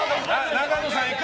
永野さん行く？